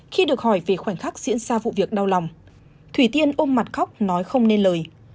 khi được hỏi về khoảnh khắc diễn ra vụ việc đau lòng thủy tiên ôm mặt khóc nói không nên lời